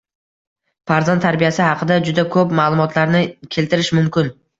Farzand tarbiyasi haqida juda ko‘p ma’lumotlarni keltirish mumkin